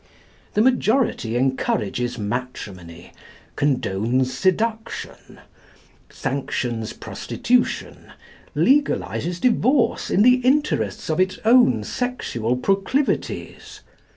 The majority encourages matrimony, condones seduction, sanctions prostitution, legalises divorce in the interests of its own sexual proclivities.